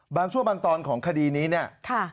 บางช่วงบางตอนของคดีนี้เนี่ย